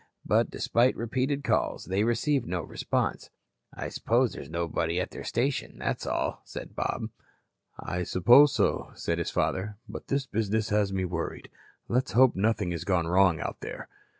But, despite repeated calls, they received no response. "I suppose there's nobody at their station, that's all," said Bob. "I suppose so," said his father. "But this business has me worried. Let's hope nothing has gone wrong out there."